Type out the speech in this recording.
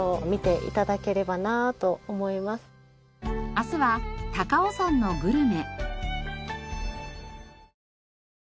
明日は高尾山のグルメ。